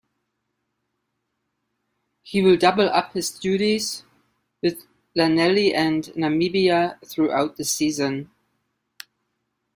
He will double up his duties with Llanelli and Namibia through out the season.